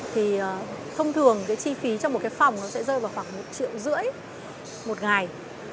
thì thông thường chi phí trong một phòng sẽ rơi vào khoảng một triệu rưỡi một ngày